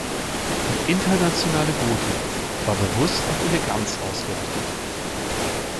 Die "Internationale Gotik" war bewusst auf Eleganz ausgerichtet.